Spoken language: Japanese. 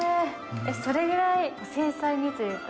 それくらい精細にというか。